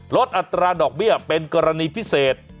อัตราดอกเบี้ยเป็นกรณีพิเศษ